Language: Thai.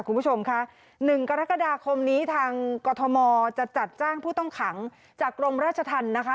คุณผู้ชมค่ะ๑กรกฎาคมนี้ทางกรทมจะจัดจ้างผู้ต้องขังจากกรมราชธรรมนะคะ